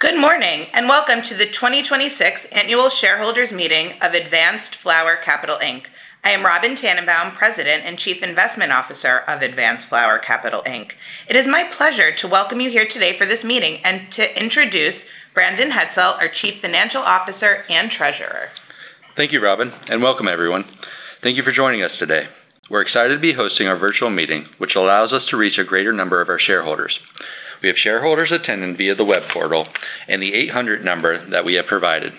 Good morning. Welcome to the 2026 annual shareholders meeting of Advanced Flower Capital Inc. I am Robyn Tannenbaum, President and Chief Investment Officer of Advanced Flower Capital Inc. It is my pleasure to welcome you here today for this meeting and to introduce Brandon Hetzel, our Chief Financial Officer and Treasurer. Thank you, Robyn, and welcome everyone. Thank you for joining us today. We're excited to be hosting our virtual meeting, which allows us to reach a greater number of our shareholders. We have shareholders attending via the web portal and the 800 number that we have provided.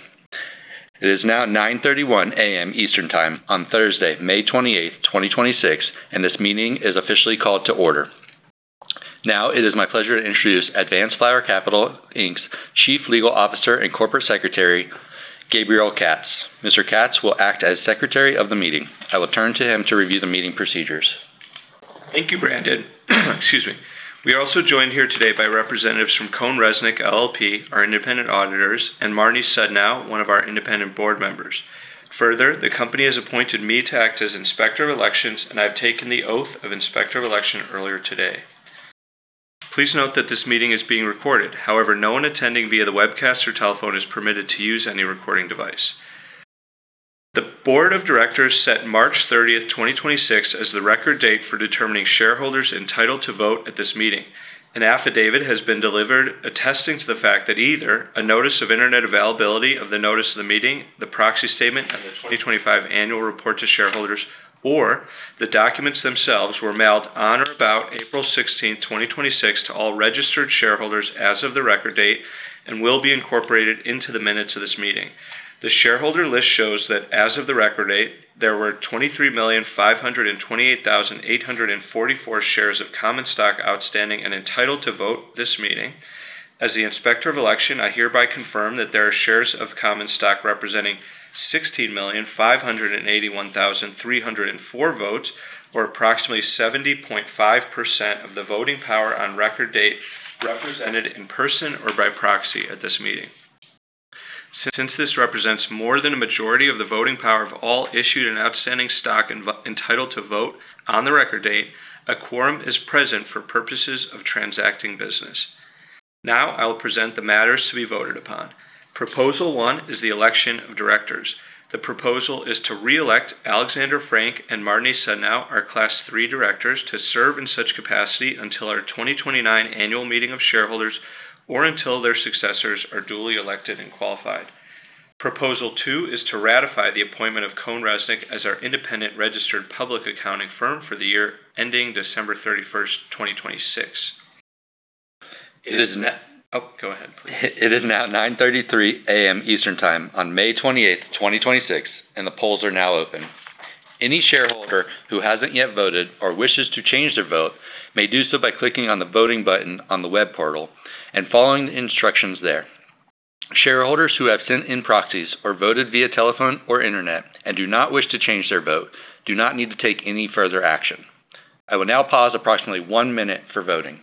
It is now 9:31 A.M. Eastern Time on Thursday, May 28th, 2026, and this meeting is officially called to order. Now it is my pleasure to introduce Advanced Flower Capital, Inc.'s Chief Legal Officer and Corporate Secretary, Gabriel Katz. Mr. Katz will act as Secretary of the meeting. I will turn to him to review the meeting procedures. Thank you, Brandon. Excuse me. We are also joined here today by representatives from CohnReznick LLP, our independent auditors, and Marnie Sudnow, one of our independent board members. Further, the company has appointed me to act as Inspector of Elections, and I've taken the oath of Inspector of Election earlier today. Please note that this meeting is being recorded. However, no one attending via the webcast or telephone is permitted to use any recording device. The Board of Directors set March 30th, 2026, as the record date for determining shareholders entitled to vote at this meeting. An affidavit has been delivered attesting to the fact that either a notice of internet availability of the notice of the meeting, the proxy statement, and the 2025 annual report to shareholders, or the documents themselves were mailed on or about April 16th, 2026, to all registered shareholders as of the record date and will be incorporated into the minutes of this meeting. The shareholder list shows that as of the record date, there were 23,528,844 shares of common stock outstanding and entitled to vote this meeting. As the Inspector of Election, I hereby confirm that there are shares of common stock representing 16,581,304 votes, or approximately 70.5% of the voting power on record date represented in person or by proxy at this meeting. Since this represents more than a majority of the voting power of all issued and outstanding stock entitled to vote on the record date, a quorum is present for purposes of transacting business. I will present the matters to be voted upon. Proposal one is the election of directors. The proposal is to reelect Alexander Frank and Marnie Sudnow, our Class III directors, to serve in such capacity until our 2029 annual meeting of shareholders, or until their successors are duly elected and qualified. Proposal two is to ratify the appointment of CohnReznick as our independent registered public accounting firm for the year ending December 31st, 2026. It is now 9:33 A.M. Eastern Time on May 28th, 2026, and the polls are now open. Any shareholder who hasn't yet voted or wishes to change their vote may do so by clicking on the voting button on the web portal and following the instructions there. Shareholders who have sent in proxies or voted via telephone or internet and do not wish to change their vote do not need to take any further action. I will now pause approximately one minute for voting.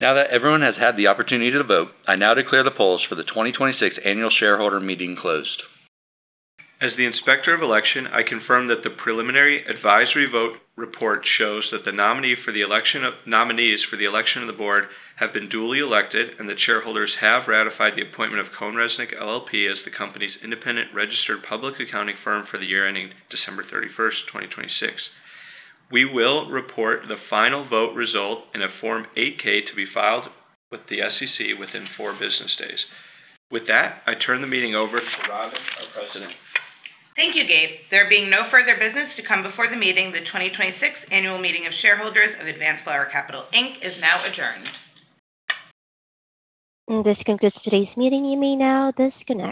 Now that everyone has had the opportunity to vote, I now declare the polls for the 2026 Annual Shareholder Meeting closed. As the Inspector of Elections, I confirm that the preliminary advisory vote report shows that the nominees for the election of the board have been duly elected and that shareholders have ratified the appointment of CohnReznick LLP as the company's independent registered public accounting firm for the year ending December 31st, 2026. We will report the final vote result in a Form 8-K to be filed with the SEC within four business days. With that, I turn the meeting over to Robyn, our President. Thank you, Gabe. There being no further business to come before the meeting, the 2026 Annual Meeting of Shareholders of Advanced Flower Capital Inc. is now adjourned. This concludes today's meeting. You may now disconnect.